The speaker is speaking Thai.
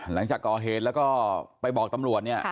หลังจากกรเหตุแล้วก็ไปบอกตำหลวดเนี้ยค่ะ